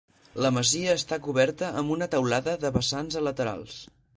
La masia està coberta amb una teulada de vessants a laterals.